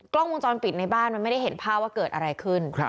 กล้องวงจรปิดในบ้านมันไม่ได้เห็นภาพว่าเกิดอะไรขึ้น